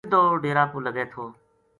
سِدھو ڈیراں پو لگے تھو